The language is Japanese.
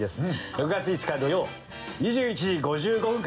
６月５日土曜２１時５５分から。